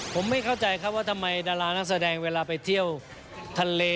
ผมไม่เข้าใจครับว่าทำไมดารานักแสดงเวลาไปเที่ยวทะเล